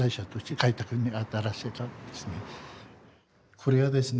これはですね